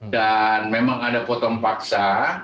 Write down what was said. dan memang ada potong paksa